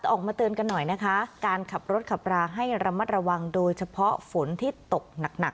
ออกมาเตือนกันหน่อยนะคะการขับรถขับราให้ระมัดระวังโดยเฉพาะฝนที่ตกหนัก